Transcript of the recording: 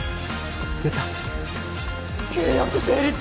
やった契約成立？